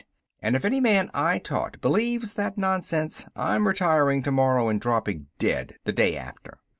And, if any man I taught believes that nonsense, I'm retiring tomorrow and dropping dead the day after.